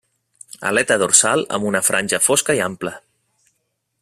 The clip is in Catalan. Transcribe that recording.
Aleta dorsal amb una franja fosca i ampla.